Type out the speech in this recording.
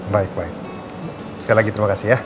baik baik sekali lagi terima kasih ya